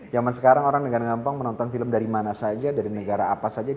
zaman sekarang orang dengan gampang menonton film dari mana saja dari negara apa saja